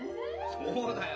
・そうだよ。